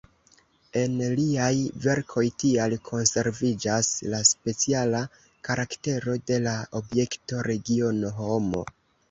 En liaj verkoj tial konserviĝas la speciala karaktero de la objekto, regiono, homo.